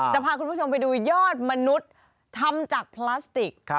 จะพาคุณผู้ชมไปดูยอดมนุษย์ทำจากพลาสติก